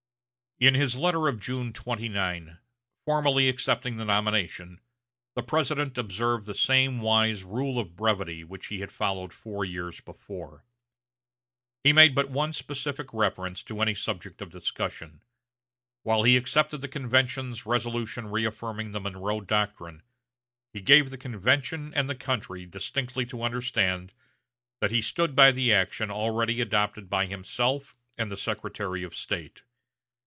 In his letter of June 29, formally accepting the nomination, the President observed the same wise rule of brevity which he had followed four years before. He made but one specific reference to any subject of discussion. While he accepted the convention's resolution reaffirming the Monroe Doctrine, he gave the convention and the country distinctly to understand that he stood by the action already adopted by himself and the Secretary of State.